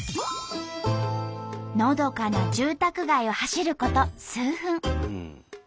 のどかな住宅街を走ること数分。